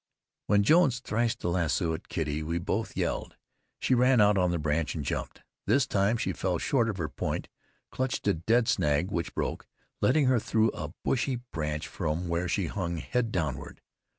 When Jones thrashed the lasso at Kitty we both yelled. She ran out on the branch and jumped. This time she fell short of her point, clutched a dead snag, which broke, letting her through a bushy branch from where she hung head downward.